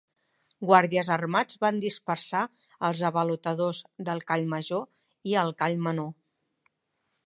Guàrdies armats van dispersar els avalotadors del Call Major i al Call Menor.